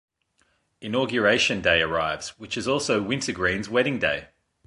Inauguration day arrives, which is also Wintergreen's wedding day.